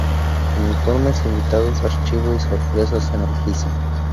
Con informes, invitados, archivo y sorpresas en el piso.